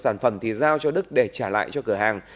sản phẩm thì giao cho đức để trả lại cho cửa hàng